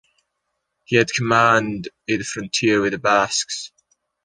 He had command of the frontier with the Basques.